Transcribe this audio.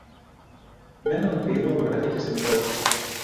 Μ' έναν πήδο βρέθηκε στην πόρτα